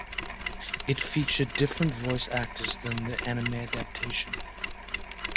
It featured different voice actors than the anime adaptation.